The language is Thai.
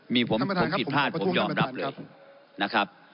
มีผมผิดพลาดผมยอมรับเลยนะครับ